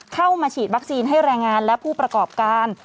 เข้ามาฉีดวัคซีนให้แรงงานและผู้ประกอบการ